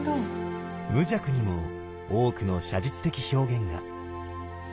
無著にも多くの写実的表現が。